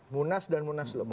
munas dan munaslup